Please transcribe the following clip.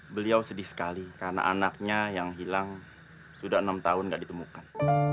beliau sedih sekali karena anaknya yang hilang sudah enam tahun tidak ditemukan